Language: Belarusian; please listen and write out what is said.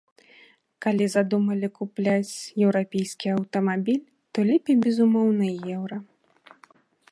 Калі задумалі купляць еўрапейскі аўтамабіль, то лепей, безумоўна, еўра.